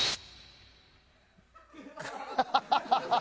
ハハハハ！